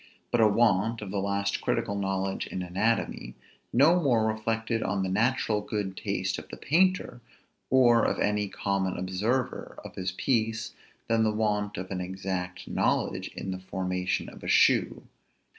But a want of the last critical knowledge in anatomy no more reflected on the natural good taste of the painter, or of any common observer of his piece, than the want of an exact knowledge in the formation of a shoe.